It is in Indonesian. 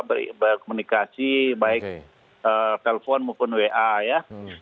berkomunikasi baik telepon maupun wa ya